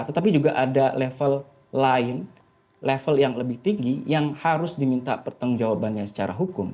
tetapi juga ada level lain level yang lebih tinggi yang harus diminta pertanggung jawabannya secara hukum